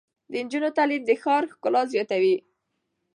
د نجونو تعلیم د ښار ښکلا زیاتوي.